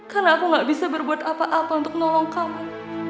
karena aku gak bisa berbuat apa apa untuk nolong kamu